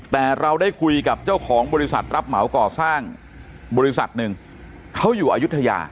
แต่เราได้คุยกับเจ้าของบริษัทรับเหมาก่อสร้างบริษัทหนึ่งเขาอยู่อายุทยา